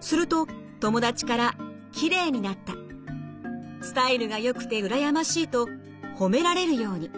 すると友達から「きれいになった」「スタイルがよくてうらやましい」と褒められるように。